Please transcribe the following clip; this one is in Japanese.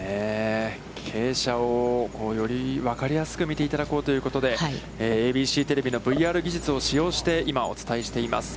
傾斜をより分かりやすく見ていただこうということで、ＡＢＣテレビのＶＲ技術を使用して、今、お伝えしています。